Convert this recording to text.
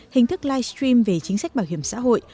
hình thức livestream về chính sách bảo hiểm xã hội